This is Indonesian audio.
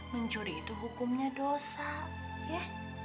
mencuri itu hukumnya dosa ya